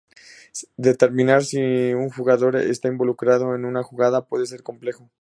Determinar si un jugador está involucrado en una jugada puede ser complejo.